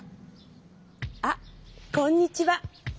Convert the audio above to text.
あっこんにちは。